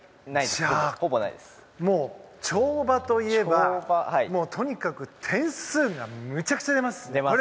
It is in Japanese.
じゃあ、跳馬といえばとにかく、点数がむちゃくちゃ出ます。